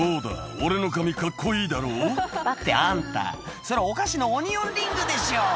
俺の髪カッコいいだろう？」ってあんたそれお菓子のオニオンリングでしょ